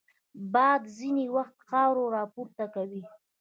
باد ځینې وخت خاوره راپورته کوي